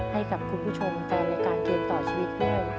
ให้กับคุณผู้ชมแฟนรายการเกมต่อชีวิตได้